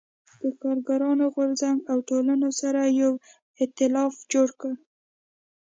د کارګرانو غو رځنګ او ټولنو سره یو اېتلاف جوړ کړ.